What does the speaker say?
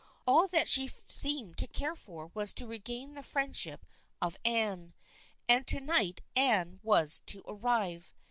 All that she seemed to care for was to regain the friendship of Anne. And to night Anne was to arrive.